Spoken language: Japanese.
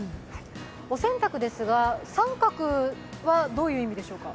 お洗濯ですが、△はどういう意味でしょうか？